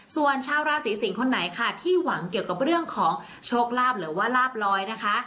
ส่วนชาวราศีสิงศ์คนไหนค่ะที่หวังเกี่ยวกับเรื่องของโชคลาภหรือว่าลาบลอยนะคะ